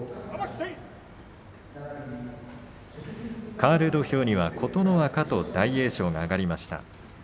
かわる土俵には琴ノ若と大栄翔が上がりました。